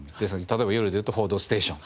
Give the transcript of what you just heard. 例えば夜でいうと『報道ステーション』。